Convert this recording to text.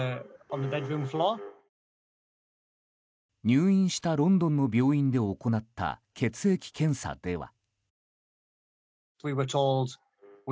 入院したロンドンの病院で行った、血液検査では。